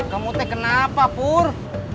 kamu teh kenapa pur